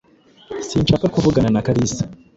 Sinshaka kuvugana na Kalisa.